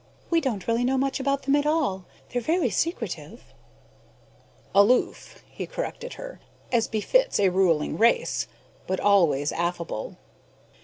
We don't really know much about them at all; they're very secretive." "Aloof," he corrected her, "as befits a ruling race. But always affable."